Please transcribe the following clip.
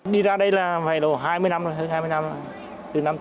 đi ra đây là hai mươi năm rồi hơn hai mươi năm rồi từ năm chín mươi sáu